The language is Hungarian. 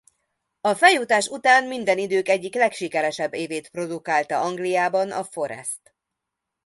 A feljutás után minden idők egyik legsikeresebb évét produkálta Angliában a Forest.